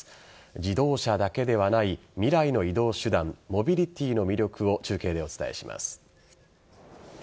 自動車だけではない未来の移動手段モビリティの魅力を中継でお伝えします。